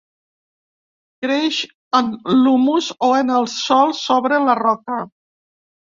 Creix en l'humus, o en el sòl sobre la roca.